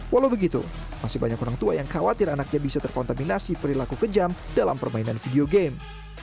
walau begitu masih banyak orang tua yang khawatir anaknya bisa terkontaminasi perilaku kejam dalam permainan video game